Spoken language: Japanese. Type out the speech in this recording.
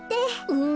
うん。